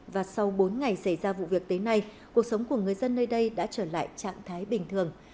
và sau bốn ngày xảy ra vụ việc tới nay cuộc sống của người dân nơi đây đã trở lại trạng thái bình thường